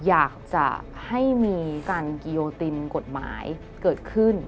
อยากจะให้มีการกิโยตินกฎหมายเกิดขึ้น